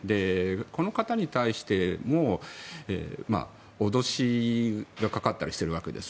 この方に対しても脅しがかかったりしてるわけです